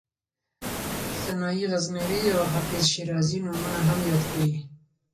سنایي غزنوي او حافظ شیرازي نومونه هم یاد کړي.